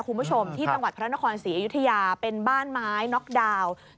คุณผู้ชมที่จังหวัดพระนครศรีอยุธยาเป็นบ้านไม้น็อกดาวน์